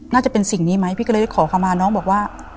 น่าจะเป็นสิ่งนี้ไหมพี่ก็เลยขอคำมาน้องบอกว่า